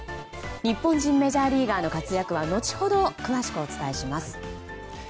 日本人メジャーリーガーの活躍は後ほど詳しくお伝えします。